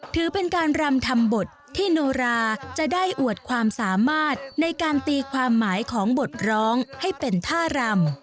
ถือเป็นการรำทำบทที่โนราจะได้อวดความสามารถในการตีความหมายของบทร้องให้เป็นท่ารำ